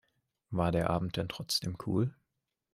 War der Abend denn trotzdem cool?